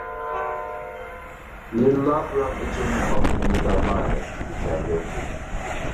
يىللار بۇيان ئېچىلمىغان ئۈندىدارلار ئەسلىگە كەلدى.